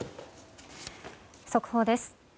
速報です。